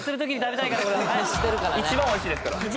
一番美味しいですから。